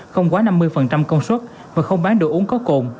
không quá năm mươi công suất và không bán đồ uống có cồn